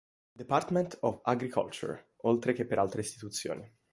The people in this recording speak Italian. Department of Agriculture, oltre che per altre istituzioni.